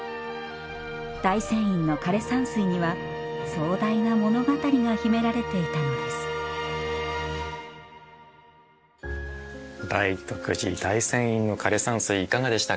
大仙院の枯山水には壮大な物語が秘められていたのです大徳寺大仙院の枯山水いかがでしたか？